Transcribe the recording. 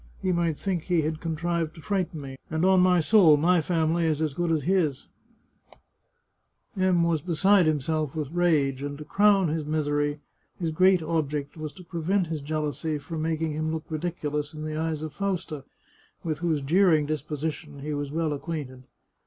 He might think he had contrived to frighten me, and on my soul, my family is as good as his !" M was beside himself with rage, and to crown his misery, his great object was to prevent his jealousy from making him look ridiculous in the eyes of Fausta, with whose jeering disposition he was well acquainted.